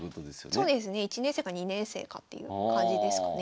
そうですね１年生か２年生かっていう感じですかね。